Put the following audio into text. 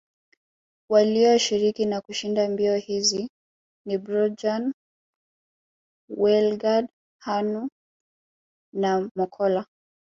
Walioshiriki na kushinda mbio hizi ni Bjorn Waldegard Hannu na Mokkola